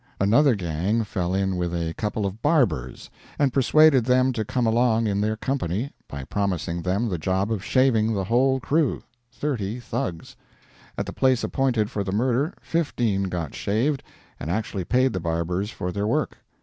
Another gang fell in with a couple of barbers and persuaded them to come along in their company by promising them the job of shaving the whole crew 30 Thugs. At the place appointed for the murder 15 got shaved, and actually paid the barbers for their work.